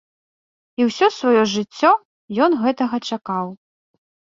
І ўсё сваё жыццё ён гэтага чакаў.